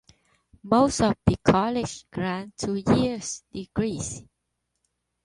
Most of these colleges grant two-year degrees.